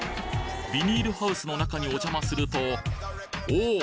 ビニールハウスの中にお邪魔するとおぉ！